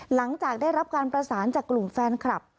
หลังจากได้รับการประสานจากกลุ่มแฟนคลับ